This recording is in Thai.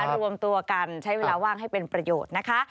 รวมตัวกันใช้เวลาว่างให้เป็นประโยชน์นะคะ